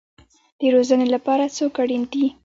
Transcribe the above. د روزنې لپاره څوک اړین دی؟